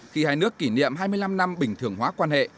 khi hai nước kỷ niệm hai mươi năm năm bình thường hóa quan hệ